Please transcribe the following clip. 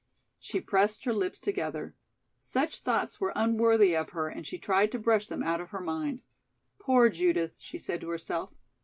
She pressed her lips together. Such thoughts were unworthy of her and she tried to brush them out of her mind. "Poor Judith!" she said to herself.